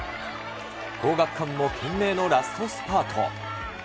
皇學館も懸命のラストスパート。